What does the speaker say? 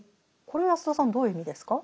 これは安田さんどういう意味ですか？